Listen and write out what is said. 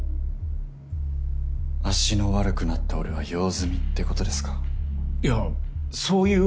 足の悪くなった俺は用済みってことですかいやそういうわけじゃ。